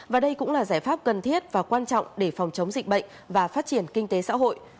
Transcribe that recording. và đây cũng là giải pháp cần thiết và quan trọng để phòng chống dịch bệnh và phát triển kinh tế xã hội